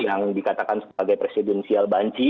yang dikatakan sebagai presidensial banci